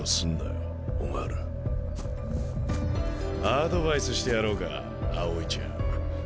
アドバイスしてやろうか青井ちゃん。